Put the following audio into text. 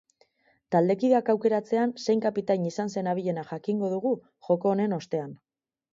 Taldekideak aukeratzean zein kapitain izan zen abilena jakingo dugu joko honen ostean.